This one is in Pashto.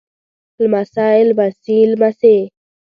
لمسی لمسي لمسې